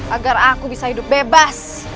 agar aku bisa hidup bebas